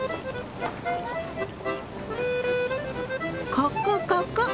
ここここ！